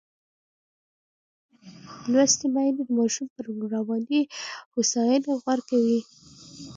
لوستې میندې د ماشوم پر رواني هوساینې غور کوي.